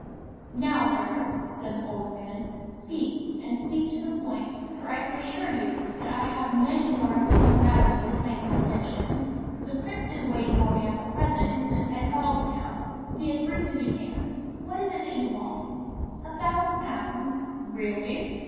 "Now, sir," said the older man, "speak, and speak to the point, for I can assure you that I have many more important matters which claim my attention. The Prince is waiting for me at the present instant at Carlton House. Be as brief as you can. What is it that you want?" "A thousand pounds." "Really!